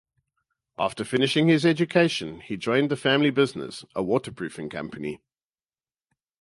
After finishing his education, he joined the family business, a waterproofing company.